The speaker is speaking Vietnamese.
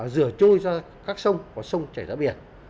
rửa trôi ra các sông và sông chảy ra biển